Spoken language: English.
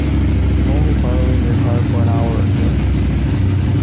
I’m only borrowing your car for an hour or two.